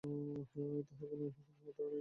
তাহার তো কোনো সন্দেহমাত্র নাই।